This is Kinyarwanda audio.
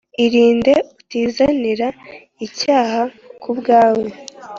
irinde utizanira icyaha ku bwawe